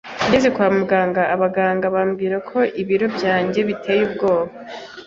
Ngeze kwa muganga, abaganga bambwiye ko ibiro byanjye biteye ubwoba